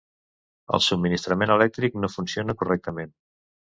El subministrament elèctric no funciona correctament.